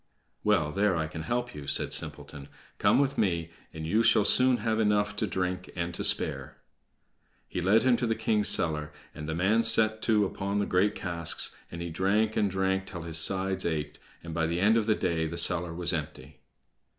"Well, there I can help you," said Simpleton. "Come with me, and you shall soon have enough to drink and to spare." He led him to the king's cellar, and the man set to upon the great casks, and he drank and drank till his sides ached, and by the end of the day the cellar was empty.